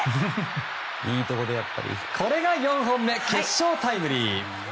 これが４本目、決勝タイムリー。